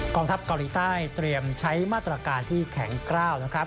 ทัพเกาหลีใต้เตรียมใช้มาตรการที่แข็งกล้าวนะครับ